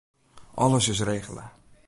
Alles is regele.